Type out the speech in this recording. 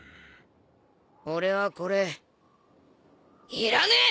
俺はこれいらねえ！